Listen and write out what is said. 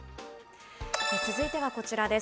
続いてはこちらです。